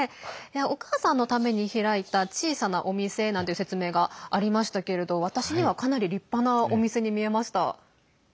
お母さんのために開いた小さなお店なんていう説明がありましたけれど私には、かなり立派なお店に見えました。